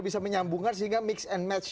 bisa menyambungkan sehingga mix and match